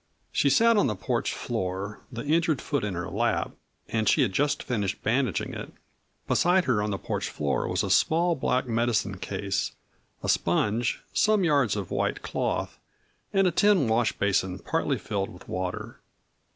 She sat on the porch floor, the injured foot in her lap, and she had just finished bandaging it. Beside her on the porch floor was a small black medicine case, a sponge, some yards of white cloth, and a tin wash basin partly filled with water.